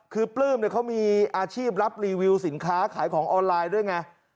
คือปลื้มเขามีอาชีพรับรีวิวสินค้าขายของออนไลน์ด้วยไง